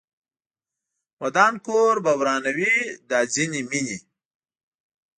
ودان کور به ورانوي دا ځینې مینې